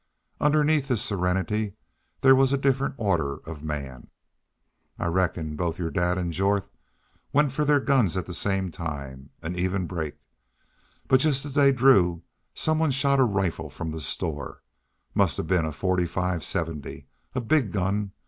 Underneath his serenity there was a different order of man. "I reckon both your dad an' Jorth went fer their guns at the same time an even break. But jest as they drew, some one shot a rifle from the store. Must hev been a forty five seventy. A big gun!